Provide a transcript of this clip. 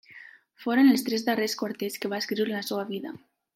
Foren els tres darrers quartets que va escriure en la seva vida.